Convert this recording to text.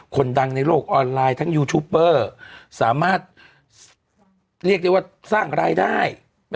คนดังในโลกออนไลน์ทั้งยูทูปเปอร์สามารถเรียกได้ว่าสร้างรายได้